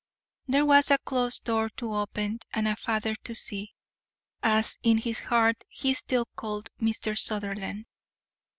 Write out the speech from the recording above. There was a closed door to open and a father to see (as in his heart he still called Mr. Sutherland).